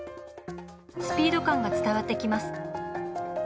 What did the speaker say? スピード感が伝わってきます。